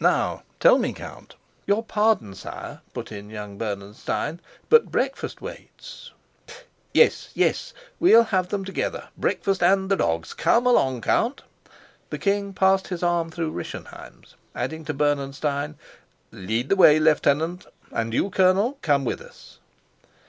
Now tell me, Count " "Your pardon, sire," put in young Bernenstein, "but breakfast waits." "Yes, yes. Well, then, we'll have them together breakfast and the dogs. Come along, Count." The king passed his arm through Rischenheim's, adding to Bernenstein, "Lead the way, Lieutenant; and you, Colonel, come with us."